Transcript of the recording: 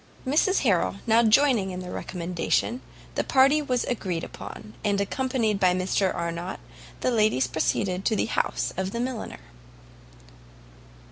Mrs Harrel now joining in the recommendation, the party was agreed upon, and accompanied by Mr Arnott, the ladies proceeded to the house of the milliner.